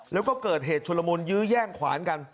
แล้วก็เกิดเหตุชุลมุนยื้อแย่งขวานกัน